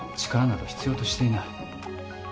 力など必要としていない。